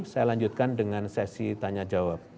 saya lanjutkan dengan sesi tanya jawab